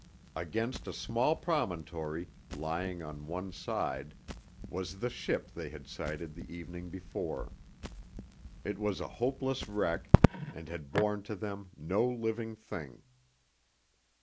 Against a small promontory, lying on one side, was the ship they had sighted the evening before. It was a hopeless wreck, and had borne to them no living thing.